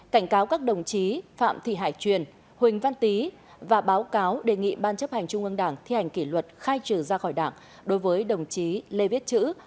cảnh cáo các đồng chí phạm thị hải truyền huỳnh văn tý và báo cáo đề nghị ban chấp hành trung ương đảng thi hành kỷ luật khai trừ ra khỏi đảng đối với đồng chí lê viết chữ